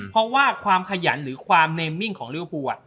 เพราะว่าความขยันหรือความนีมมิ้งของเรื้อผู้